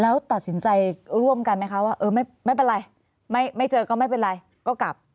แล้วตัดสินใจร่วมกันไหมคะว่าเออไม่เป็นไรไม่เจอก็ไม่เป็นไรก็กลับ